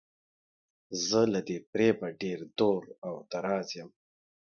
زه له دې فریبه ډیر دور او دراز یم.